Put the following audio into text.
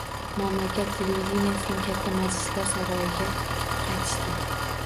Mamlakat televideniyesining katta majlislar saroyiga qaytishdi.